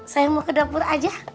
saya mau ke dokter aja